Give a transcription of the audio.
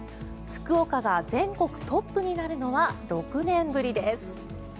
福岡が全国トップになるのは６年ぶりです。